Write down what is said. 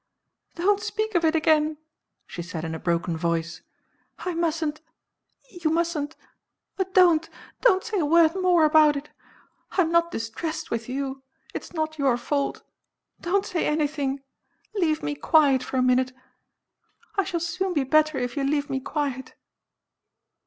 "Don't speak of it again!" she said in a broken voice. "I mustn't you mustn't ah, don't, don't say a word more about it! I'm not distressed with you it is not your fault. Don't say anything leave me quiet for a minute. I shall soon be better it you leave me quiet."